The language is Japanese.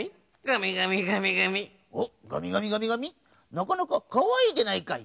なかなかかわいいじゃないかい。